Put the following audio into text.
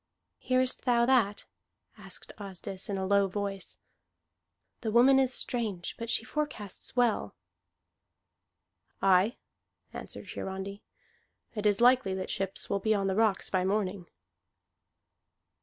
"Hearest thou that?" asked Asdis in a low voice. "The woman is strange, but she forecasts well." "Aye," answered Hiarandi, "it is likely that ships will be on the rocks by morning.